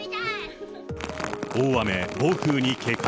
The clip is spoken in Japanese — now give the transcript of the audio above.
大雨、暴風に警戒。